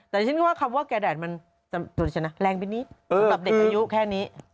แต่ฉันก็ว่าคำว่าแก่แดดมันจะชนะแรงไปนิดสำหรับเด็กอายุแค่นี้